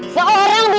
sebelum tujuh puluh lagi